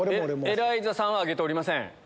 エライザさんは挙げておりません。